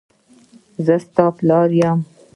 زه ستا پلار یم.